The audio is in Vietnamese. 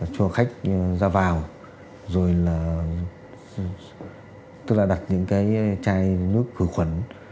cho khách ra vào rồi là tức là đặt những cái chai nước khử khuẩn